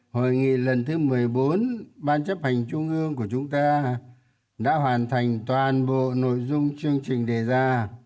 hội nghị lần thứ một mươi bốn ban chấp hành trung ương của chúng ta đã hoàn thành toàn bộ nội dung chương trình đề ra